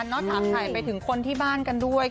ถามถ่ายไปถึงคนที่บ้านกันด้วย